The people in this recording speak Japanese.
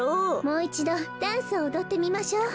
もういちどダンスをおどってみましょう。